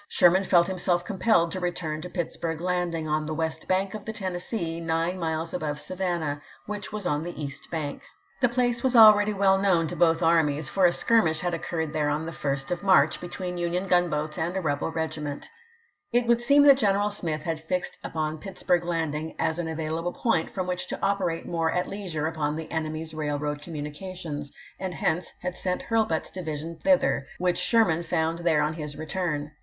Sherman felt himself compelled to return to Pittsburg Land ing, on the west bank of the Tennessee, nine miles above Savannah, which was on the east bank. The THE SHILOH CAMPAIGN 317 place was already well known to both armies, for ch. xvm. a skirmish had occurred there on the 1st of March between Union gunboats and a rebel regiment. It would seem that General Smith had fixed up on Pittsburg Landing as an available point from which to operate more at leisure upon the enemy's railroad communications, and hence had sent Hurl but's division thither, which Sherman found there on his return.